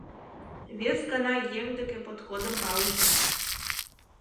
Вес гана еҥ деке подходым палыже!»